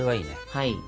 はい。